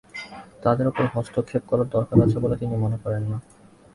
তাঁদের ওপর হস্তক্ষেপ করার দরকার আছে বলে তিনি মনে করেন না।